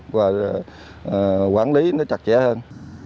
và quản lý nó chặt chẽ hơn